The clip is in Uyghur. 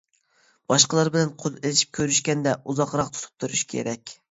باشقىلار بىلەن قول ئېلىشىپ كۆرۈشكەندە، ئۇزاقراق تۇتۇپ تۇرۇش كېرەك.